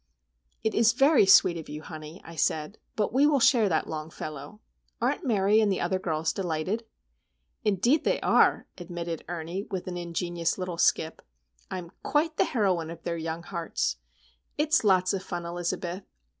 "It is very sweet of you, honey," I said; "but we will share that Longfellow. Aren't Mary and the other girls delighted?" "Indeed they are," admitted Ernie, with an ingenuous little skip. "I'm quite the Heroine of their young hearts! It's lots of fun, Elizabeth.